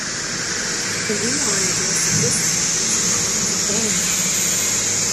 An email address of this form was known as a bang path.